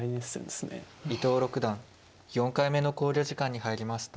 伊藤六段４回目の考慮時間に入りました。